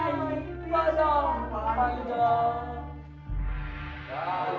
mau bermain main sama saya